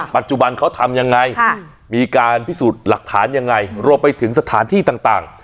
ปัจจุบันเขาทำยังไงมีการพิสูจน์หลักฐานยังไงรวมไปถึงสถานที่ต่าง